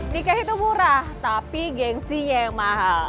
nikah itu murah tapi gengsinya yang mahal